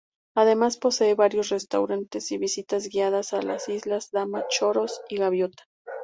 Además posee varios restaurantes y visitas guiadas a las islas Dama, Choros y Gaviota.